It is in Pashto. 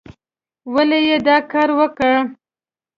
ولې یې دا کار وکه؟